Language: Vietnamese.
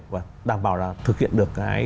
và đảm bảo là thực hiện được cái